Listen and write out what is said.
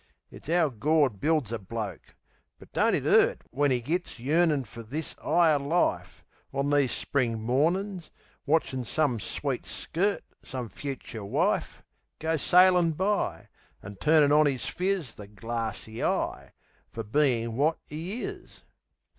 It's 'ow Gawd builds a bloke; but don't it 'urt When 'e gits yearnin's fer this 'igher life, On these Spring mornin's, watchin' some sweet skirt Some fucher wife Go sailin' by, an' turnin' on his phiz The glarssy eye fer bein' wot 'e is.